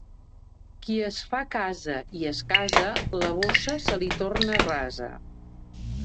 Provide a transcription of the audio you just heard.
Qui es fa casa i es casa, la bossa se li torna rasa.